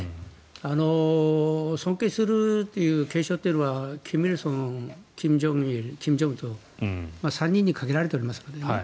尊敬するという敬称というのは金正恩、金日成３人に限られていますからね。